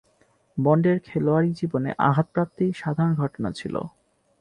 বন্ডের খেলোয়াড়ী জীবনে আঘাতপ্রাপ্তি সাধারণ ঘটনা ছিল।